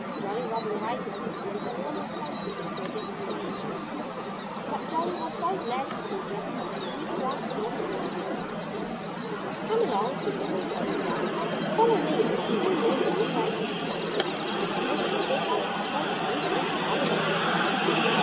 Jolly Robin waited for him until almost sunset before Jasper Jay appeared. But Jolly was so glad to see Jasper that he never once thought of being angry with him. "Come along!" said the blue coated rascal. "Follow me and you'll soon learn the new way to the South. And if it isn't a good one I hope I'll never eat another beechnut."